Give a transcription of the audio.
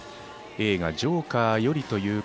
映画「ジョーカー」より。